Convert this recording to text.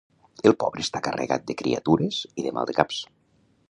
El pobre està carregat de criatures i de maldecaps.